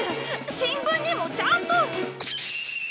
新聞にもちゃんと。